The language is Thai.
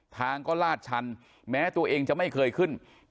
ทางก็ลาดชันแม้ตัวเองจะไม่เคยขึ้น